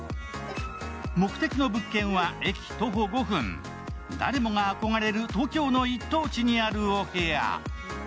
目的の物件は駅徒歩５分、誰もが憧れる東京の一等地にあるお部屋。